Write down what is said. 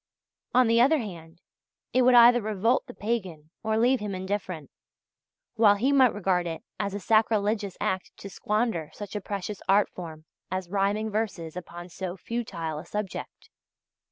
On the other hand, it would either revolt the pagan or leave him indifferent, while he might regard it as a sacrilegious act to squander such a precious art form as rhyming verses upon so futile a subject.